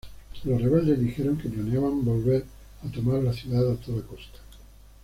Los rebeldes dijeron que planeaban volver a tomar la ciudad a toda costa.